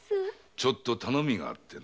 ちょっと頼みがあってな。